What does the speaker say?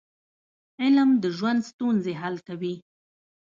علم د ژوند ستونزې حل کوي.